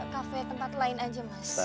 kafe tempat lain aja mas